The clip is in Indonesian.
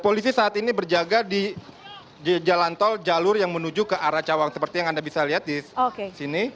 polisi saat ini berjaga di jalan tol jalur yang menuju ke arah cawang seperti yang anda bisa lihat di sini